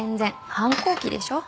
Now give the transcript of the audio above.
反抗期でしょ。